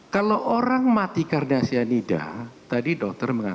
kalau orang mati kardasianida tadi dokter mengatakan